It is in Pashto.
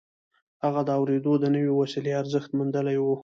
هغه د اورېدلو د نوې وسيلې ارزښت موندلی و.